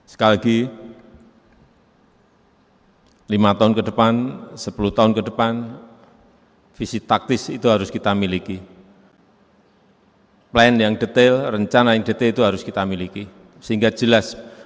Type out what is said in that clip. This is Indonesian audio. sulung akru itu saja